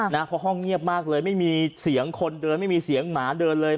เพราะห้องเงียบมากเลยไม่มีเสียงคนเดินไม่มีเสียงหมาเดินเลย